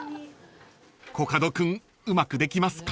［コカド君うまくできますか？］